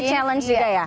itu challenge juga ya